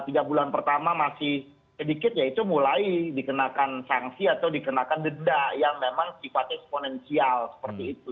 kalau tiga bulan pertama masih sedikit ya itu mulai dikenakan sanksi atau dikenakan dedah yang memang sifat eksponensial seperti itu